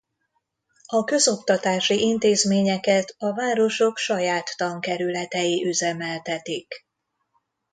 A közoktatási intézményeket a városok saját tankerületei üzemeltetik.